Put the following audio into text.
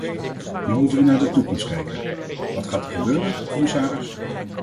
Nu moeten we naar de toekomst kijken: wat gaat er gebeuren, commissaris?